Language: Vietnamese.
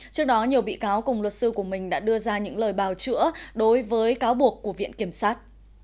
trước đó nhiều bị cáo cùng luật sư của mình đã đưa ra những lời bào chữa đối với cáo buộc của viện kiểm sát